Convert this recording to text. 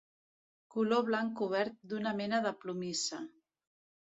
Coll blanc cobert d'una mena de plomissa.